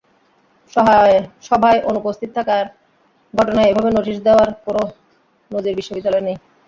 সভায় অনুপস্থিত থাকার ঘটনায় এভাবে নোটিশ দেওয়ার কোনো নজির বিশ্ববিদ্যালয়ে নেই।